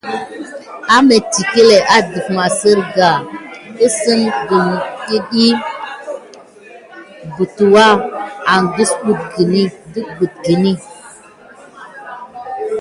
Əmɑŋə iŋklé adef masirka asna ki di kil butua an akebitka.